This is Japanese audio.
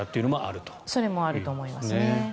それもあると思いますね。